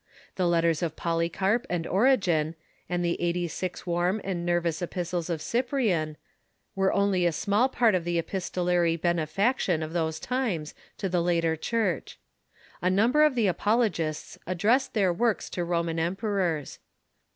The letters of Polycarp and Origen, and the eighty six warm and nervous epistles of Cyprian, are only a small part of the epistolary benefaction of those times to the later Church. A number of the apologists addressed their works to Roman emperors.